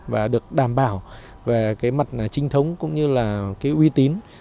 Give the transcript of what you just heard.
và được đảm bảo về cái mặt trinh thống cũng như là cái uy tín